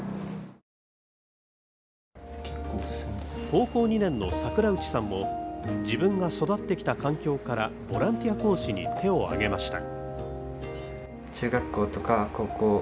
高校２年の櫻内さんも自分が育ってきた環境からボランティア講師に手を挙げました。